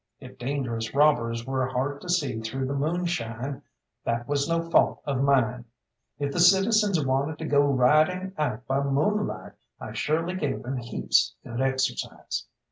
If dangerous robbers were hard to see through the moonshine, that was no fault of mine. If the citizens wanted to go riding out by moonlight, I surely gave them heaps good exercise.